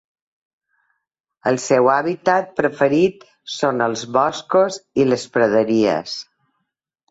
El seu hàbitat preferit són els boscos i les praderies.